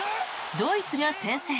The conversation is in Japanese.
ドイツが先制。